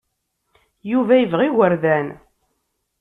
Yuba yebɣa igerdan.